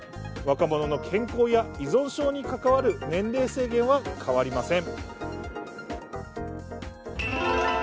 若者の健康や依存症に関わる年齢制限は変わりません。